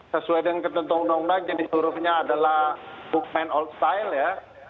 sesuai dengan ketentuan undang undang jenis hurufnya adalah bookman old style ya